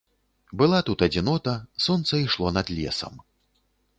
Была тут адзінота, сонца ішло над лесам.